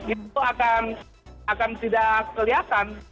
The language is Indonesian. itu akan tidak kelihatan